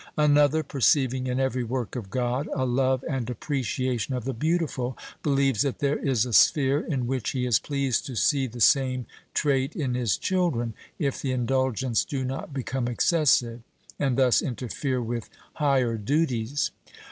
Another, perceiving in every work of God a love and appreciation of the beautiful, believes that there is a sphere in which he is pleased to see the same trait in his children, if the indulgence do not become excessive, and thus interfere with higher duties.